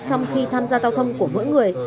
trong khi tham gia giao thông của mỗi người